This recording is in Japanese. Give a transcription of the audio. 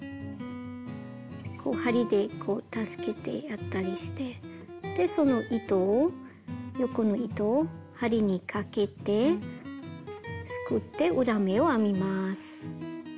こう針で助けてやったりしてでその糸を横の糸を針にかけてすくって裏目を編みます。